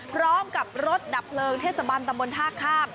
พร้อมกับรถดับเพลิงเทศบันตำบลท่าข้าม